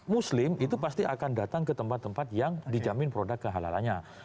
muslim itu pasti akan datang ke tempat tempat yang dijamin produk kehalalannya